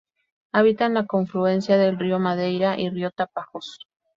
Habita en la confluencia del río Madeira y río Tapajós.